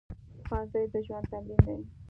ښوونځی د ژوند تمرین دی